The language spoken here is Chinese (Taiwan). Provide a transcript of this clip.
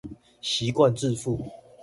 習慣致富